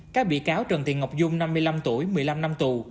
các bị cáo trần thị ngọc dung năm mươi năm tuổi một mươi năm năm tù